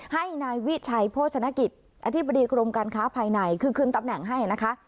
ให้นายวิชัยโภชนกิจอธิบดีกรมการค้าภายในคือคืนตำแหน่งให้นะคะ